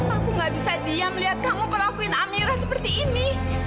aku gak bisa diam lihat kamu ngelakuin amira seperti ini